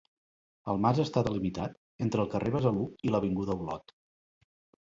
El mas està delimitat entre el carrer Besalú i l'avinguda Olot.